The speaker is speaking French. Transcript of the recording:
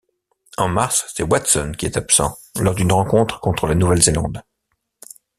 En mars, c'est Watson qui est absent lors d'une rencontre contre la Nouvelle-Zélande.